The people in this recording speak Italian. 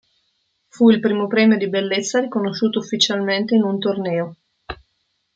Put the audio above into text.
Fu il primo premio di bellezza riconosciuto ufficialmente in un torneo.